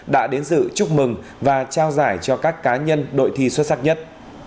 đã đến dự chúc mừng và trao giải cho các cá nhân đội thi xuất sắc nhất